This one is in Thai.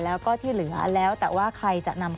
แล้วก็ที่เหลือแล้วแต่ว่าใครจะนำ